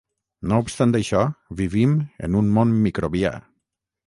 No obstant això, vivim en un món microbià.